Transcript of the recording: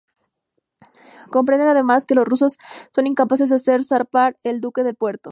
Comprenden además que los rusos son incapaces de hacer zarpar el buque del puerto.